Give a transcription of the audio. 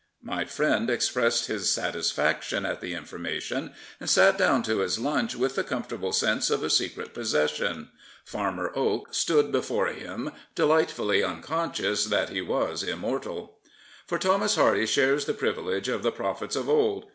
My friend expressed his satisfaction at the informa tion, and sat down to his lunch with the comfortable sense of a secret possession. Farmer Oak stood before him, delightfully unconscious that he was immortal. For Thomas Hardy shares the privilege of the prophets of old.